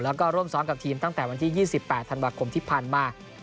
แล้วก็ร่วมซ้อมกับทีมตั้งแต่วันที่๒๘ธันวาคมที่ผ่านมา